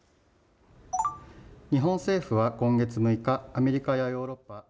日本政府は今月６日、アメリカやヨーロッパ。